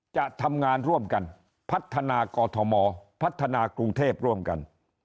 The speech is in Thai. จะทำงานร่วมกันพัฒนากอทมพัฒนากรุงเทพร่วมกัน